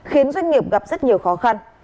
khiến doanh nghiệp gặp rất nhiều khó khăn